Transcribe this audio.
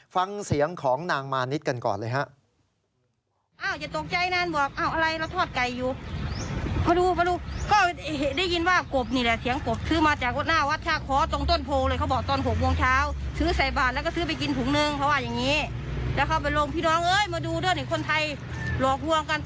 ฟังเสียงของนางมานิดกันก่อนเลยฮะ